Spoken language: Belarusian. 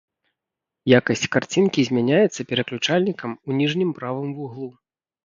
Якасць карцінкі змяняецца пераключальнікам у ніжнім правым вуглу.